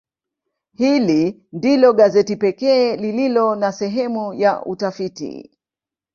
Hili ndilo gazeti pekee lililo na sehemu ya utafiti.